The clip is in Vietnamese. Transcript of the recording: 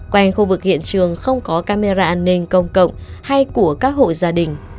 quanh khu vực hiện trường không có camera an ninh công cộng hay của các hộ gia đình